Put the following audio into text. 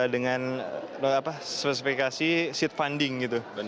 dengan spesifikasi seed funding gitu